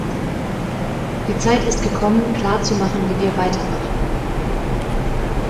Die Zeit ist gekommen, klarzumachen, wie wir weitermachen.